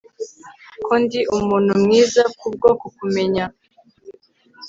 ko ndi umuntu mwiza kubwo kukumenya